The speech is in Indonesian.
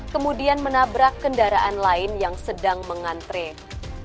kemudian menabrak kendaraan lain yang sedang mengantre